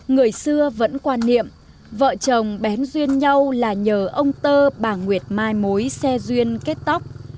người xưa vẫn quan niệm vợ chồng bén duyên nhau là nhờ ông tơ bà nguyệt mai mối xe duyên kết tóc